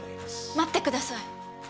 待ってください。